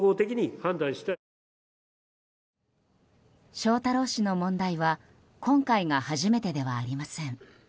翔太郎氏の問題は今回が初めてではありません。